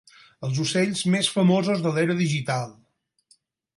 Els ocells més famosos de l'era digital.